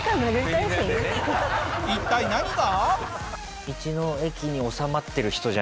一体何が？